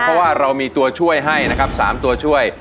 เพราะว่าเรามีตัวช่วยให้นะครับ๓ตัวช่วย